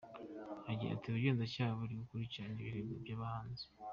Agira ati “Ubugenzacyaha buri gukurikirana ibirego by’abahanzi.